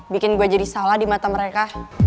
bikin gue jadi salah di mata mereka